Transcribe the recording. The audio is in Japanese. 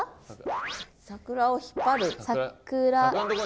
桜を引っ張る。